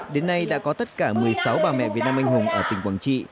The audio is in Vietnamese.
đến nay đã có tất cả một mươi sáu bà mẹ việt nam anh hùng ở tỉnh quảng trị